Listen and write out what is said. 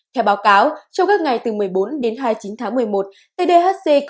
theo báo cáo trong các ngày từ một mươi bốn đến hai mươi chín tháng một mươi một